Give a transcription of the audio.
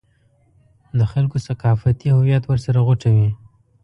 د خلکو ثقافتي هویت ورسره غوټه وي.